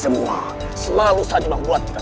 dalam satu lubang